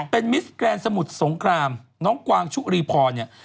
เป็นมิสแกรนดสมุทรสงครามน้องกวางชุรีพรเนี่ย